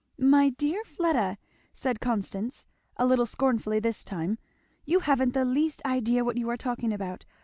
"My dear Fleda!" said Constance, a little scornfully this time, "you haven't the least idea what you are talking about!